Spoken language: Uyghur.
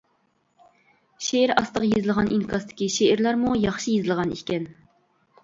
شېئىر ئاستىغا يېزىلغان ئىنكاستىكى شېئىرلارمۇ ياخشى يېزىلغان ئىكەن.